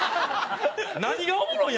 何がおもろいん？